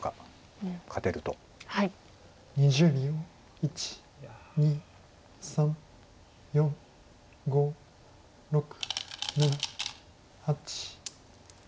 １２３４５６７８。